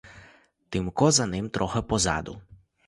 Тимко за ним, трохи позаду.